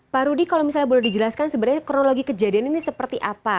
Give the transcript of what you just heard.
pak rudy kalau misalnya boleh dijelaskan sebenarnya kronologi kejadian ini seperti apa